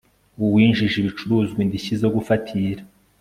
uwinjije ibicuruzwa indishyi zo gufatira